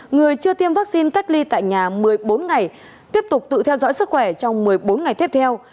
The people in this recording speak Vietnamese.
người chưa tiêm vaccine cách ly tại nhà một mươi bốn ngày tiếp tục tự theo dõi sức khỏe trong một mươi bốn ngày tiếp theo